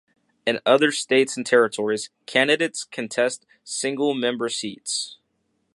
In other states and territories, candidates contest single-member seats.